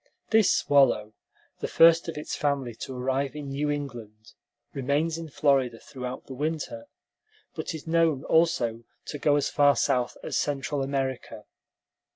This swallow, the first of its family to arrive in New England, remains in Florida throughout the winter, but is known also to go as far south as Central America.